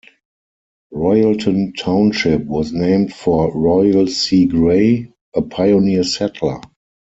Royalton Township was named for Royal C. Gray, a pioneer settler.